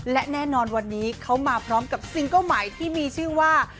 และแน่นอนวันนี้เขามาพร้อมกับซิงเกิ้ลใหม่ที่มีชื่อว่า